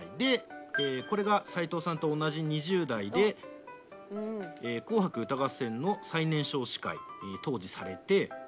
これが齊藤さんと同じ２０代で『紅白歌合戦』の最年少司会当時されて。